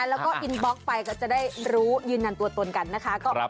แล้วก็อินบล็อกไปก็จะได้รู้ยืนยันตัวตนกันนะคะ